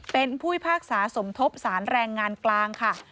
เป็นผู้พิพากษาสมทบสารแรงงานกลางค่ะ